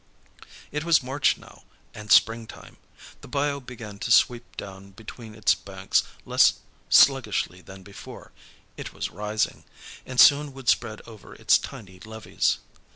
It was March now, and Spring time. The bayou began to sweep down between its banks less sluggishly than before; it was rising, and soon would spread over its tiny levees.